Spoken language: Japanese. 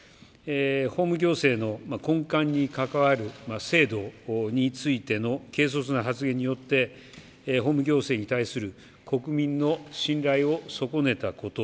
法務行政の根幹にかかわる制度についての軽率な発言によって、法務行政に対する国民の信頼を損ねたこと、